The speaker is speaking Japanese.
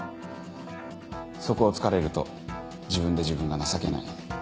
そこを突かれると自分で自分が情けない。